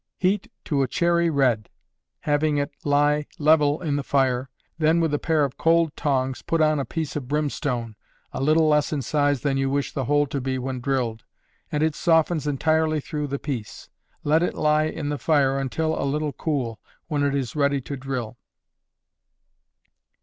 _ Heat to a cherry red, having it lie level in the fire, then with a pair of cold tongs put on a piece of brimstone, a little less in size than you wish the hole to be when drilled, and it softens entirely through the piece; let it lie in the fire until a little cool, when it is ready to drill.